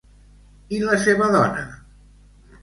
I la seva dona?